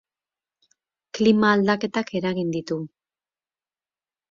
Klima aldaketak eragin ditu.